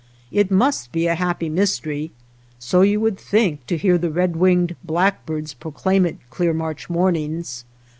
It must be a happy mystery. So you would think to hear the redwinged blackbirds proclaim it clear March mornings.